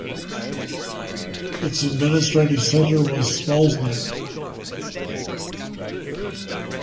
Its administrative centre was Smolensk.